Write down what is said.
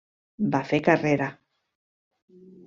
Va fer carrera.